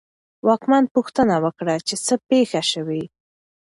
واکمن پوښتنه وکړه چې څه پېښ شوي.